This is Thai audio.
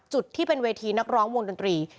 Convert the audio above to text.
จุดที่เป็นเวทีนักร้องวงดนตรี